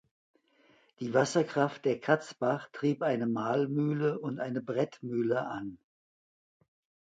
Die Wasserkraft der Katzbach trieb eine Mahlmühle und eine Brettmühle an.